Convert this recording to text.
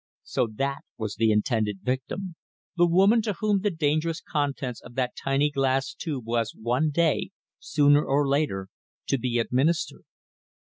So that was the intended victim the woman to whom the dangerous contents of that tiny glass tube was one day, sooner or later, to be administered.